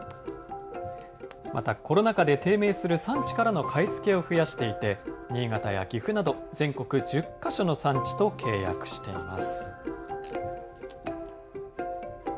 またコロナ禍で低迷する産地からの買い付けを増やしていて、新潟や岐阜など、全国１０か所の産地と契約しています。